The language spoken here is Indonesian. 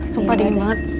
sumpah dingin banget